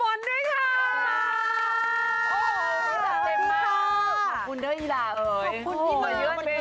โปรดติดตามตอนต่อไป